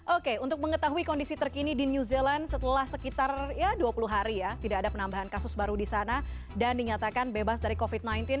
oke untuk mengetahui kondisi terkini di new zealand setelah sekitar dua puluh hari ya tidak ada penambahan kasus baru di sana dan dinyatakan bebas dari covid sembilan belas